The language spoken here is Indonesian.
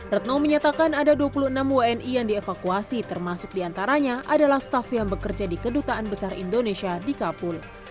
retno menyatakan ada dua puluh enam wni yang dievakuasi termasuk diantaranya adalah staff yang bekerja di kedutaan besar indonesia di kapul